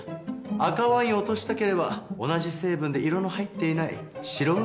赤ワインを落としたければ同じ成分で色の入っていない白ワインで。